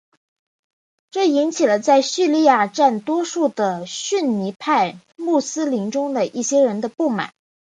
这引起了在叙利亚占多数的逊尼派穆斯林中的一些人的不满。